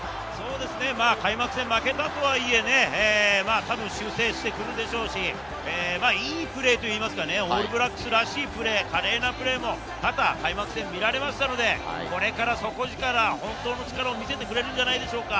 開幕戦負けたとはいえ、たぶん修正してくるでしょうし、いいプレーというか、オールブラックスらしいプレー、華麗なプレーも開幕戦見られましたので、これから底力、本当の力を見せてくれるんじゃないでしょうか。